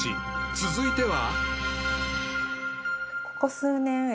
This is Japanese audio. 続いては？］